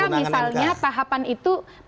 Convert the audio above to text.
pahapan pencalonan itu tidak berhenti ketika misalnya